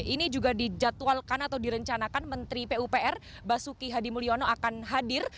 ini juga dijadwalkan atau direncanakan menteri pupr basuki hadi mulyono akan hadir